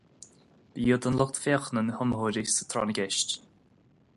Ba iad an lucht féachana na hiomaitheoirí sa tráth na gceist.